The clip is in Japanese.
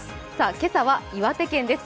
今朝は岩手県です。